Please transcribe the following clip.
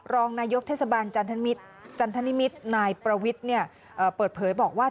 รองนายกเทศบาลจันทนิมิตรนายประวิทย์เปิดเผยบอกว่า